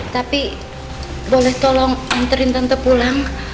tapi boleh tolong anterin tante pulang